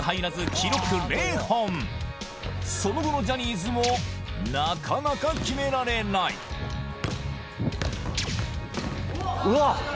記録その後のジャニーズもなかなか決められないうわ！